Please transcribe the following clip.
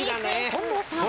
近藤さん。